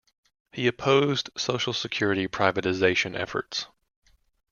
He opposed Social Security privatization efforts.